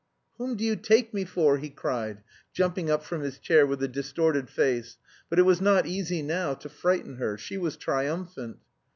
"Whom do you take me for?" he cried, jumping up from his chair with a distorted face; but it was not easy now to frighten her. She was triumphant.